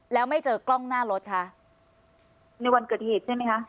แล้วไม่เจอกล้องหน้ารถคะในวันเกิดเหตุใช่ไหมคะ